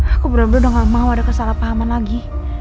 aku bener bener udah gak mau ada kesalahpahaman lagi